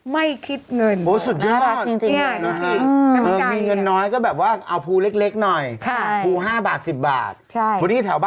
ไม่คิดเงินโอ้ยสุดยอด